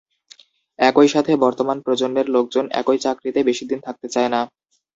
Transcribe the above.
একইসাথে বর্তমান প্রজন্মের লোকজন একই চাকরিতে বেশিদিন থাকতে চায় না।